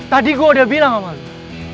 tadi gue udah bilang sama